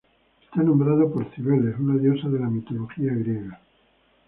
Está nombrado por Cibeles, una diosa de la mitología griega.